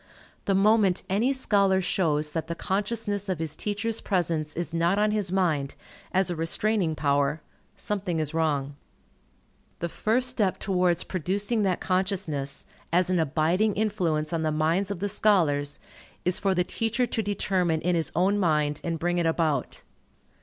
The moment any scholar shows that the consciousness of his teacher's presence is not on his mind, as a restraining power, something is wrong. The first step towards producing that consciousness, as an abiding influence on the minds of the scholars, is for the teacher to determine in his own mind and bring it about.